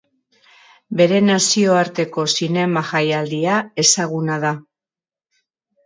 Bere Nazioarteko Zinema Jaialdia ezaguna da.